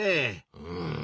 うん。